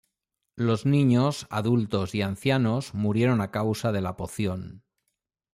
Los niños, adultos y ancianos murieron a causa de la poción.